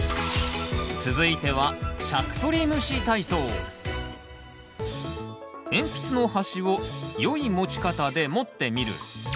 続いては鉛筆の端を良い持ち方で持ってみる。